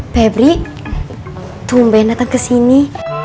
febri tumpen datang ke sini